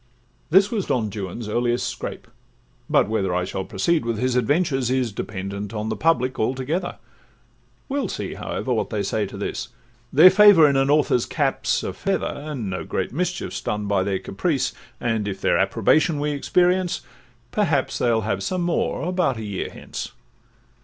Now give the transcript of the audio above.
This was Don Juan's earliest scrape; but whether I shall proceed with his adventures is Dependent on the public altogether; We'll see, however, what they say to this: Their favour in an author's cap 's a feather, And no great mischief 's done by their caprice; And if their approbation we experience, Perhaps they'll have some more about a year hence.